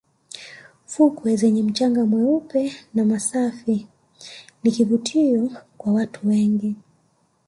fukwe zenye mchanga mweupe na masafi ni kivutio kwa watu wengi